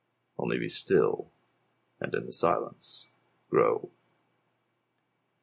'Only be still, and in the silence grow.